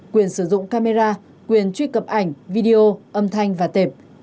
quyền sử dụng camera quyền truy cập ảnh video âm thanh và tệp